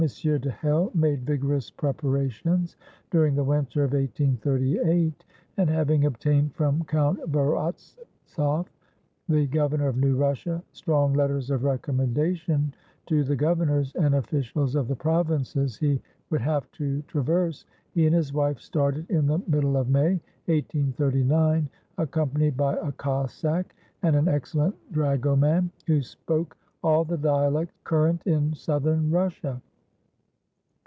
de Hell made vigorous preparations during the winter of 1838, and having obtained from Count Vorontzov, the governor of New Russia, strong letters of recommendation to the governors and officials of the provinces he would have to traverse, he and his wife started in the middle of May, 1839, accompanied by a Cossack, and an excellent dragoman, who spoke all the dialects current in Southern Russia.